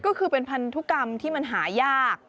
ก็คือเป็นพันธุกรรมที่มันหายาก